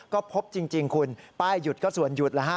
ก็พบจริงคุณป้ายหยุดก็ส่วนหยุดแล้วฮะ